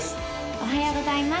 おはようございます